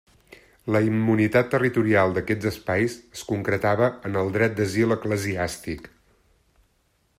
La immunitat territorial d'aquests espais es concretava en el dret d'asil eclesiàstic.